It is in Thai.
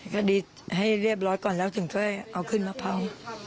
ก็ดีให้เรียบร้อยก่อนแล้วถึงถ้าเอาขึ้นมาพร้อม